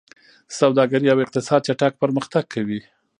سوداګري او اقتصاد چټک پرمختګ کوي.